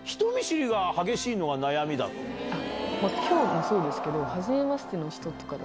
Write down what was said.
今日もそうですけど。